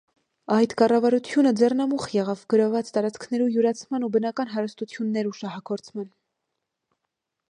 Այդ կառավարութիւնը ձեռնամուխ եղաւ գրաւուած տարածքներու յուրացման ու բնական հարստութիւններու շահագործման։